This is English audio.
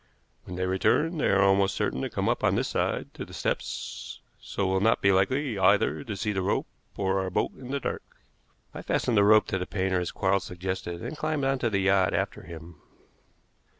When they return they are almost certain to come up on this side to the steps, so will not be likely either to see the rope or our boat in the dark." I fastened the rope to the painter as Quarles suggested, and climbed on to the yacht after him.